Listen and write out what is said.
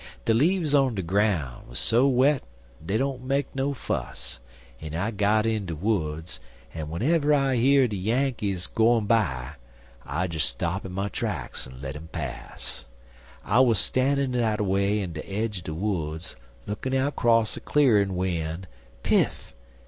De leaves on de groun' 'uz so wet dey don't make no fuss, en I got in de woods, en w'enever I year de Yankees gwine by, I des stop in my tracks en let un pass. I wuz stan'in' dat away in de aidge er de woods lookin' out cross a clearin', w'en piff!